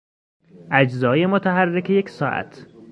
اجزای متحرک یک ساعت